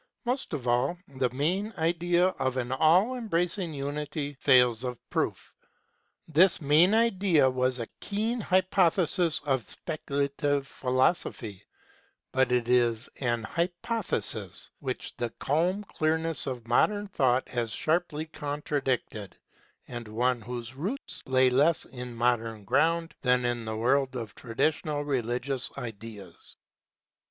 Most of all, the main idea of an all embracing unity fails of proof. This main idea was a keen hypothesis of Speculative Philosophy, but it is an hypo SPECULATIVE PHILOSOPHY 43 thesis which the calm clearness of modern thought has sharply contradicted, and one whose roots lay less in modern ground than in the world of traditional religious ideas.